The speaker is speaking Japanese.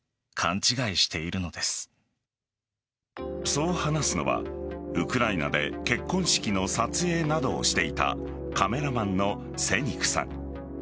そう話すのはウクライナで結婚式の撮影などをしていたカメラマンのセニクさん。